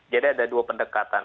jadi ada dua pendekatan